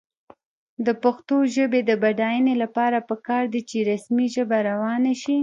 د پښتو ژبې د بډاینې لپاره پکار ده چې رسمي ژبه روانه شي.